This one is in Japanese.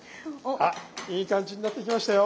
あいい感じになってきましたよ！